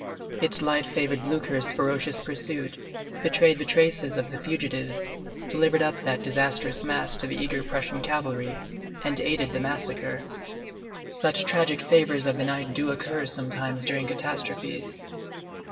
Its light favored Blücher's ferocious pursuit, betrayed the traces of the fugitives, delivered up that disastrous mass to the eager Prussian cavalry, and aided the massacre. Such tragic favors of the night do occur sometimes during catastrophes.